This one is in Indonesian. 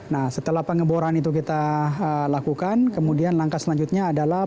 nah setelah pengeboran itu kita lakukan kemudian langkah selanjutnya adalah